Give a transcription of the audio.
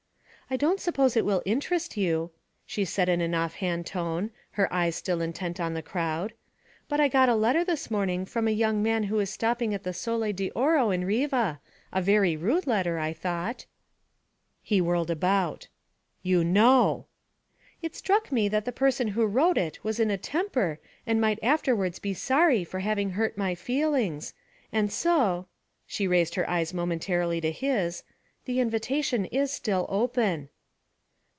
'I don't suppose it will interest you,' she said in an off hand tone, her eyes still intent on the crowd, 'but I got a letter this morning from a young man who is stopping at the Sole d'Oro in Riva a very rude letter, I thought.' He whirled about. 'You know!' 'It struck me that the person who wrote it was in a temper and might afterwards be sorry for having hurt my feelings, and so' she raised her eyes momentarily to his 'the invitation is still open.'